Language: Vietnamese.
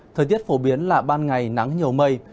thời tiết phổ biến là ban ngày nắng nhiều mây